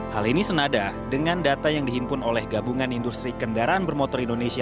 hal ini senada dengan data yang dihimpun oleh gabungan industri kendaraan bermotor indonesia